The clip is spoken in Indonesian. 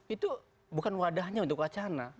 itu bukan wadahnya untuk wacana